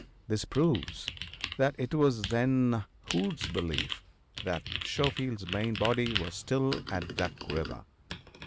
This proves that it was then Hood's belief that Schofield's main body was still at Duck river.